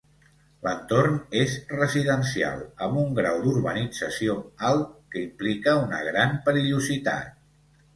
L'entorn és residencial, amb un grau d'urbanització alt, que implica una gran perillositat.